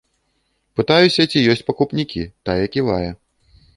Пытаюся, ці ёсць пакупнікі, тая ківае.